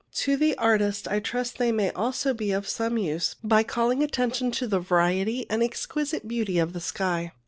To the artist I trust they may also be of some use, by calling attention to the variety and exquisite beauty of the sky.